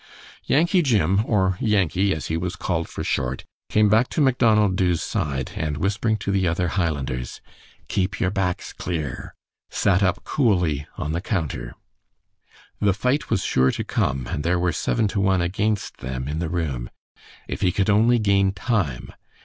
Yankee Jim, or Yankee, as he was called for short, came back to Macdonald Dubh's side, and whispering to the other Highlanders, "Keep your backs clear," sat up coolly on the counter. The fight was sure to come and there were seven to one against them in the room. If he could only gain time.